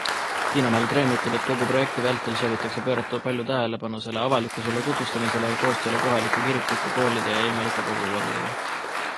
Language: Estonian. Tiina-Mall Kreem ütleb, et kogu projekti vältel soovitakse pöörata palju tähelepanu selle avalikkusele tutvustamisele ja koostööle kohalike kirikute, koolide ja ilmalike kogukondadega.